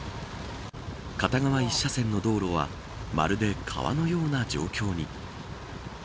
片側一車線の道路はまるで川のような状況に。